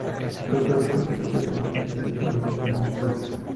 Couture fue posiblemente el primer europeo que descubrió el gran lago.